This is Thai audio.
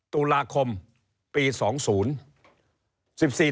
ตุลาคมปี๒๐๑๔